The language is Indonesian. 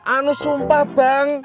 anu sumpah bang